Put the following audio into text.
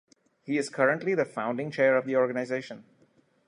He is currently the founding chair of the organization.